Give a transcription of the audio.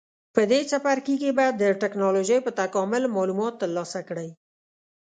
په دې څپرکي کې به د ټېکنالوجۍ په تکامل معلومات ترلاسه کړئ.